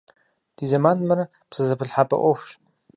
Ди зэманым ар псэзэпылъхьэпӀэ Ӏуэхущ.